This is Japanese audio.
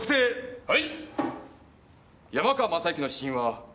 はい！